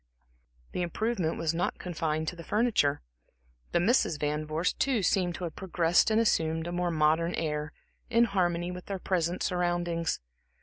The improvement was not confined to the furniture. The Misses Van Vorst, too, seemed to have progressed and assumed a more modern air, in harmony with their present surroundings.